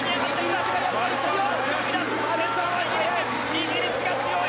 イギリスが強い！